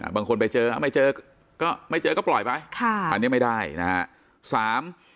บางคนไปเจอไม่เจอก็ปล่อยไปอันนี้ไม่ได้นะครับ